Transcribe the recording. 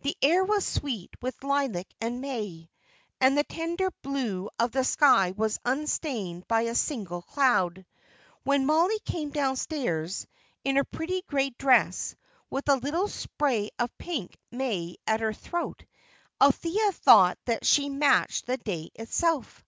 The air was sweet with lilac and may; and the tender blue of the sky was unstained by a single cloud. When Mollie came downstairs, in her pretty grey dress, with a little spray of pink may at her throat, Althea thought that she matched the day itself.